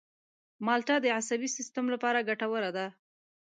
مالټه د عصبي سیستم لپاره ګټوره ده.